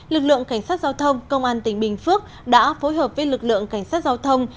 lực lượng cảnh sát giao thông công an tỉnh bình phước đã phối hợp với lực lượng cảnh sát giao thông